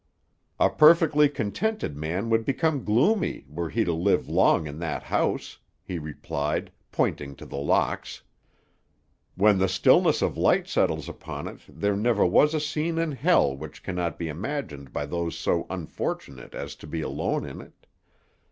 "A perfectly contented man would become gloomy were he to live long in that house," he replied, pointing to The Locks. "When the stillness of night settles upon it there never was a scene in hell which cannot be imagined by those so unfortunate as to be alone in it.